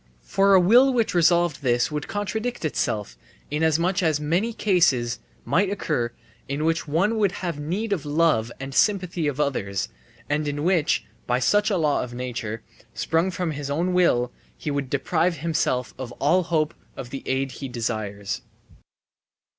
For a will which resolved this would contradict itself, inasmuch as many cases might occur in which one would have need of the love and sympathy of others, and in which, by such a law of nature, sprung from his own will, he would deprive himself of all hope of the aid he desires.